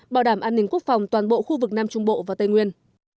bảo đảm an ninh quốc phòng toàn bộ khu vực nam trung bộ và tây nguyên